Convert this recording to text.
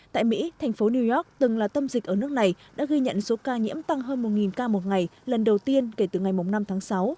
tại mỹ thành phố new york từng là tâm dịch ở nước này đã ghi nhận số ca nhiễm tăng hơn một ca một ngày lần đầu tiên kể từ ngày năm tháng sáu